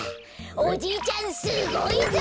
おじいちゃんすごいぞ！